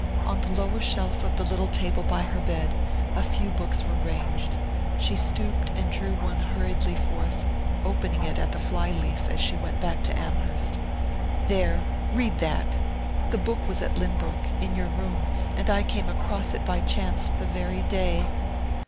On the lower shelf of the little table by her bed a few books were ranged: she stooped and drew one hurriedly forth, opening it at the fly leaf as she went back to Amherst. "There read that. The book was at Lynbrook in your room and I came across it by chance the very day...."